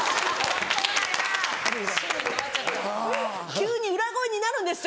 急に裏声になるんですよ。